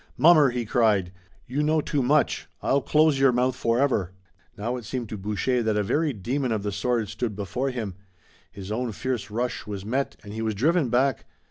"Mummer!" he cried. "You know too much. I'll close your mouth forever!" Now it seemed to Boucher that a very demon of the sword stood before him. His own fierce rush was met and he was driven back.